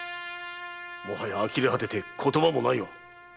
もはやあきれ果てて言葉もないわ。